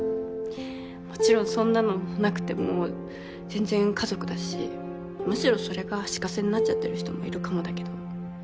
もちろんそんなのなくても全然家族だしむしろそれが足かせになっちゃってる人もいるかもだけど。